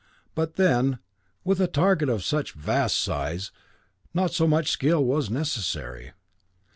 But then, with a target of such vast size, not so much skill was necessary.